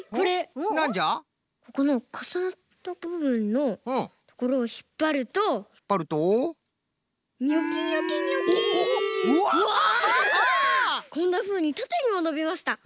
こんなふうにたてにものびました。